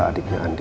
elsa adiknya andi